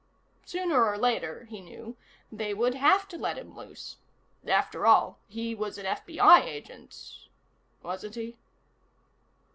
Sooner or later, he knew, they would have to let him loose. After all, he was an FBI agent, wasn't he?